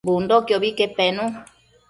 Bundoquiobi que penu